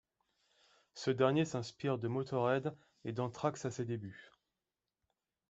Ce dernier s'inspire de Motörhead et d'Anthrax à ses débuts.